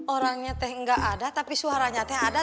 orangnya teteh enggak ada tapi suaranya teteh ada